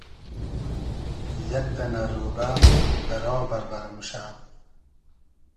یئگ دئنۂ رۉبۂ دۂ را بئربئر موشۂ